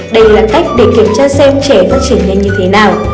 đây là cách để kiểm tra xem trẻ phát triển nhanh như thế nào